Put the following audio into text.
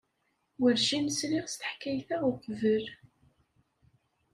Werjin sliɣ s teḥkayt-a uqbel.